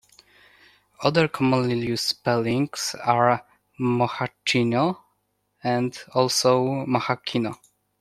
Other commonly used spellings are mochaccino and also mochachino.